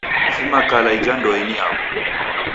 Kufuma kala ija ndoe ni yaw'o.